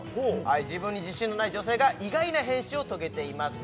自分に自信のない女性が意外な変身を遂げています